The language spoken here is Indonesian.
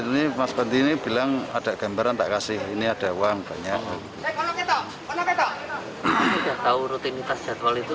dari mas pantini bilang ada gambaran tak kasih ini ada uang banyak tahu rutinitas jadwal itu